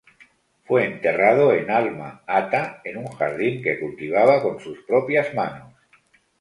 Fue enterrado en Alma-Ata en un jardín que cultivaba con sus propias manos.